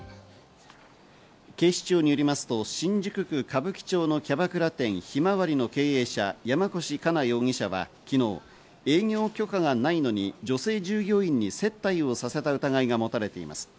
警視庁によりますと、新宿・歌舞伎町のキャバクラ店ひまわりの経営者・山腰金容疑者は昨日、営業許可がないのに女性従業員に接待をさせた疑いが持たれています。